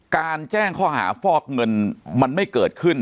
แจ้งข้อหาฟอกเงินมันไม่เกิดขึ้น